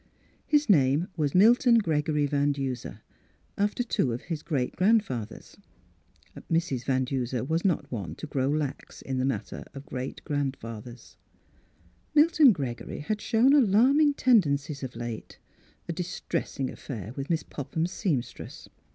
His name was ]Milton Gregory Van Duser, after two of his Mdss Phdlura's Wedding Gown great grandfathers — Mrs. Van Duser was not one to grow lax in the matter of great grandfathers. Milton Gregory ha4 shown alarming tendencies of late. A distressing affair with Miss Popham's seamstress.